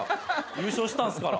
優勝したんすから。